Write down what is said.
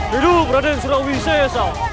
ridu raden surawisesa